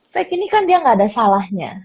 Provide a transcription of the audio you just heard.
fake ini kan dia nggak ada salahnya